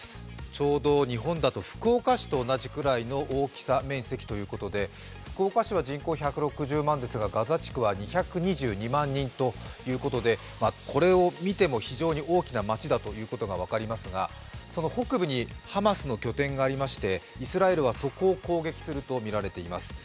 ちょうど日本だと福岡市と同じくらいの大きさ・面積ということで、福岡市は人口１６０万ですが、ガザ地区は２２２万人ということでこれを見ても非常に大きな街だということが分かりますがその北部にハマスの拠点がありましてイスラエルはそこを攻撃するとみられています